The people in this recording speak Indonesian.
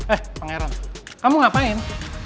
eh pangeran kamu ngapain